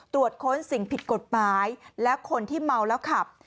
ตรวจค้นสิ่งผิดกฎหมายและคนที่เมาแล้วขับ